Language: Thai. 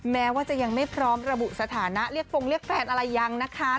แม้ว่าจะยังไม่พร้อมระบุสถานะเรียกฟงเรียกแฟนอะไรยังนะคะ